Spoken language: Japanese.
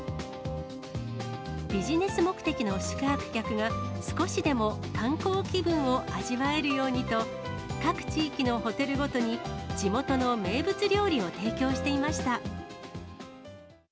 ビジネス目的の宿泊客が、少しでも観光気分を味わえるようにと、各地域のホテルごとに、地元の名物料理を提供していました。